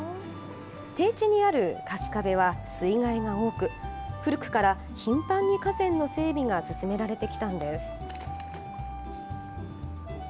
低地にある春日部は水害が多く、古くから頻繁に河川の整備が進められてきたんです。